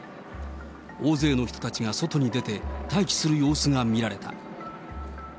大勢の人たちが外に出て待機する様子が見られた。